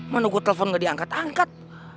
mana gue telfon gak diangkat angkat